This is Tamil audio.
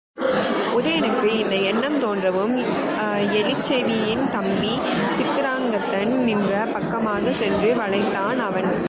உதயணனுக்கு இந்த எண்ணம் தோன்றவும் எலிச்செவியின் தம்பி சித்திராங்கதன் நின்ற பக்கமாகச் சென்று வளைத்தான் அவன்.